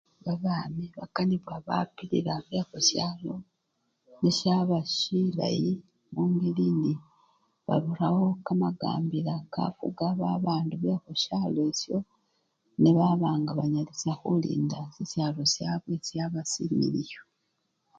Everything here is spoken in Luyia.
Babami bakanibwa bapilila bekhusyalo, nesyaba silayi mungeli indi barawo kamalaka kakafuka babandu bekhusyalo esyo nebaba nga banyalisya khulinda sisyalo syabwe syaba similiyu.